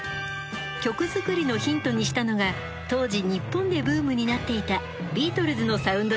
曲作りのヒントにしたのが当時日本でブームになっていたビートルズのサウンドでした。